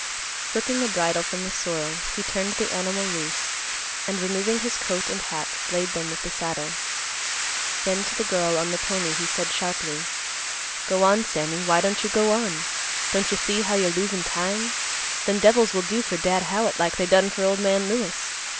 Slipping the bridle from the sorrel, he turned the animal loose, and, removing his coat and hat, laid them with the saddle. Then to the girl on the pony he said sharply, "Go on, Sammy. Why don't you go on? Don't you see how you're losin' time? Them devils will do for Dad Howitt like they done for old man Lewis.